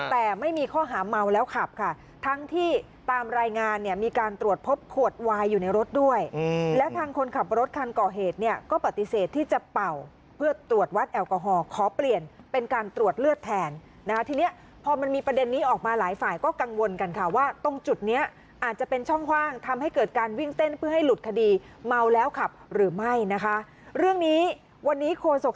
แต่ไม่มีข้อหาเมาแล้วขับค่ะทั้งที่ตามรายงานเนี้ยมีการตรวจพบขวดวายอยู่ในรถด้วยอืมและทางคนขับรถคันก่อเหตุเนี้ยก็ปฏิเสธที่จะเป่าเพื่อตรวจวัดแอลกอฮอล์ขอเปลี่ยนเป็นการตรวจเลือดแทนนะคะทีเนี้ยพอมันมีประเด็นนี้ออกมาหลายฝ่ายก็กังวลกันค่ะว่าตรงจุดเนี้ยอาจจะเป็นช่องคว่างทำให